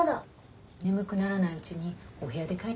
眠くならないうちにお部屋で書いてきて。